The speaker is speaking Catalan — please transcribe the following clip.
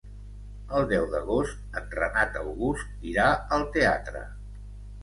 El deu d'agost en Renat August irà al teatre.